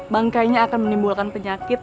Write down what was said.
bangkainya akan menimbulkan penyakit